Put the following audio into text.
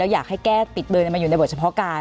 แล้วอยากให้แก้ปิดเบยมันอยู่ในเวิร์ดเฉพาะการ